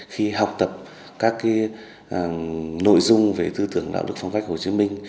khi học tập các cái nội dung về tư tưởng đạo đức phong cách của hồ chí minh